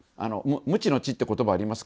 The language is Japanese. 「無知の知」って言葉ありますけど